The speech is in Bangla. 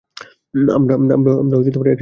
আমরা একসাথে ঘুমিয়ে পড়লাম।